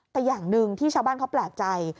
แต่อย่างหนึ่งที่ชาวบ้านเขาแปลกใจ